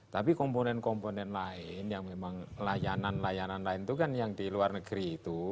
tapi komponen komponen lain yang memang layanan layanan lain itu kan yang di luar negeri itu